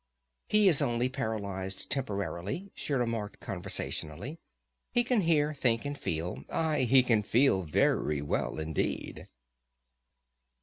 "He is only paralyzed temporarily," she remarked conversationally. "He can hear, think, and feel aye, he can feel very well indeed!"